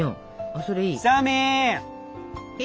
それいい。